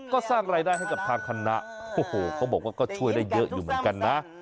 ก็สร้างรายได้ให้กับทางคณะโอ้โหเขาบอกว่าก็ช่วยได้เยอะอยู่เหมือนกันนะ